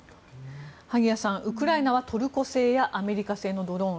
萩谷さん、ウクライナはトルコ製やアメリカ製のドローン